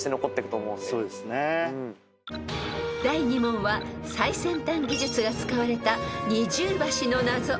［第２問は最先端技術が使われた二重橋の謎］